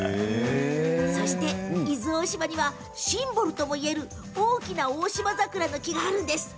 そして、伊豆大島にはシンボルともいえる、大きなオオシマザクラの木があるんです。